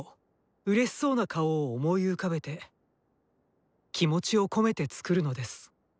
うれしそうな顔を思い浮かべて気持ちを込めて作るのです。